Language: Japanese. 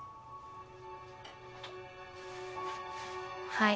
はい。